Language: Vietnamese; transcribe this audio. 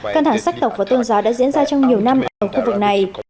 căn thản sách tộc và tôn giáo đã diễn ra trong nhiều năm ở khu vực này